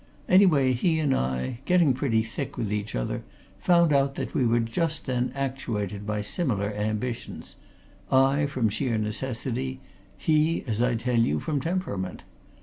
Anyway, he and I, getting pretty thick with each other, found out that we were just then actuated by similar ambitions I from sheer necessity, he, as I tell you, from temperament.